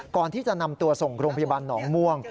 ก่อนที่จะนำตัวส่งโรงพยาบาลหนองม่วง